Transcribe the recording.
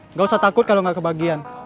nggak usah takut kalau nggak kebagian